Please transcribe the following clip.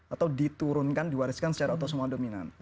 atau diturunkan diwariskan secara autosomal dominan